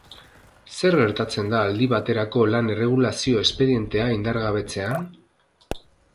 Zer gertatzen da aldi baterako lan-erregulazio espedientea indargabetzean?